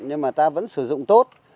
nhưng mà ta vẫn sử dụng tốt